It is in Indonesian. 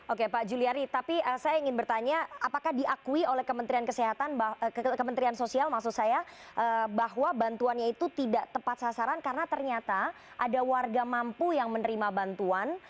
oke pak juliari tapi saya ingin bertanya apakah diakui oleh kementerian kesehatan kementerian sosial maksud saya bahwa bantuannya itu tidak tepat sasaran karena ternyata ada warga mampu yang menerima bantuan